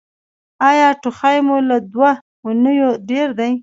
ایا ټوخی مو له دوه اونیو ډیر دی؟